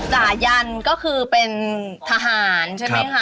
จ่ายันก็คือเป็นทหารใช่ไหมคะ